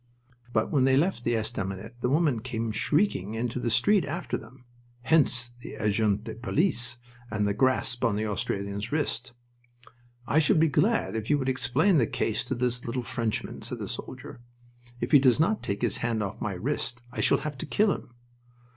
But when they left the estaminet the woman came shrieking into the street after them. Hence the agent de police and the grasp on the Australian's wrist. "I should be glad if you would explain the case to this little Frenchman," said the soldier. "If he does not take his hand off my wrist I shall have to kill him."